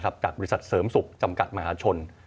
บริษัทเสริมศุกร์จำกัดมหาชน